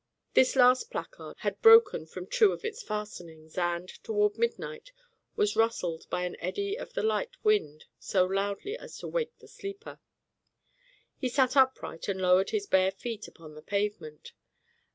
This last placard had broken from two of its fastenings, and, toward midnight was rustled by an eddy of the light wind so loudly as to wake the sleeper. He sat upright and lowered his bare feet upon the pavement.